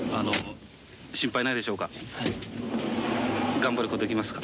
頑張ることできますか？